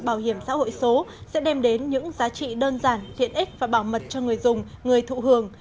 bảo hiểm xã hội số sẽ đem đến những giá trị đơn giản tiện ích và bảo mật cho người dùng người thụ hưởng